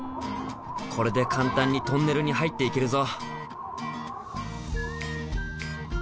これで簡単にトンネルに入っていけるぞ。